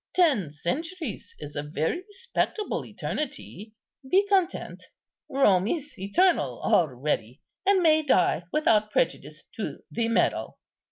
Ten centuries is a very respectable eternity; be content, Rome is eternal already, and may die without prejudice to the medal."